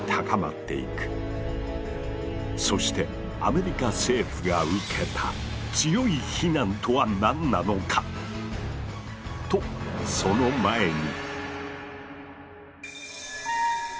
そしてアメリカ政府が受けた強い非難とは何なのか⁉とその前に。